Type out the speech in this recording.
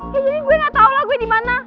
ya jadi gue gak tau lah gue dimana